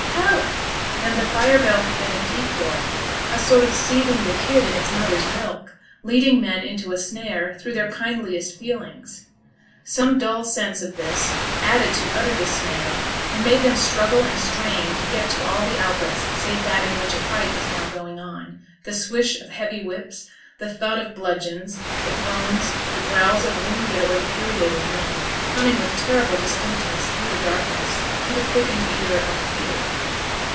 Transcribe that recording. help!' Then the fire bell had been a decoy; a sort of seething the kid in its mother's milk, leading men into a snare through their kindliest feelings. Some dull sense of this added to utter dismay, and made them struggle and strain to get to all the outlets save that in which a fight was now going on; the swish of heavy whips, the thud of bludgeons, the groans, the growls of wounded or infuriated men, coming with terrible distinctness through the darkness to the quickened ear of fear.